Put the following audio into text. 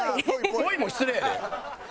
ぽいも失礼やで。